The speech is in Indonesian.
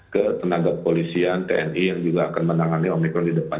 ke tenaga polisian tni yang juga akan menangani omikron di depan